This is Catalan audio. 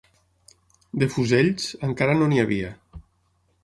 De fusells, encara no n'hi havia